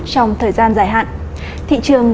trong thời gian dài hạn thị trường